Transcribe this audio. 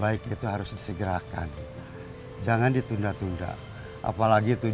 biar cinta menuntunku